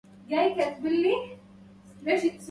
لحى الله مدحاً لا يرجى ثوابه